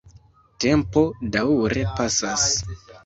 Tempo daŭre pasas.